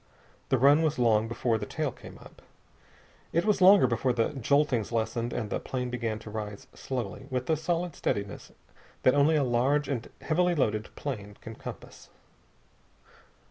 The run was long before the tail came up. It was longer before the joltings lessened and the plane began to rise slowly, with the solid steadiness that only a large and heavily loaded plane can compass.